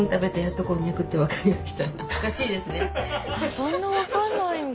そんな分かんないんだ。